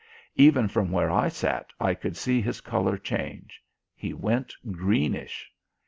Even from where I sat I could see his colour change; he went greenish.